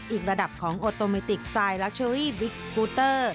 อีกระดับของโอโตเมติกสไตล์ลักเชอรี่บิ๊กสกูเตอร์